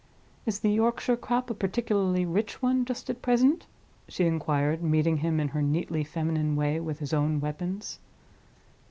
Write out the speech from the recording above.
"Is the Yorkshire crop a particularly rich one just at present?" she inquired, meeting him, in her neatly feminine way, with his own weapons.